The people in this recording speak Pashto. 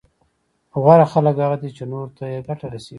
غوره خلک هغه دي چي نورو ته يې ګټه رسېږي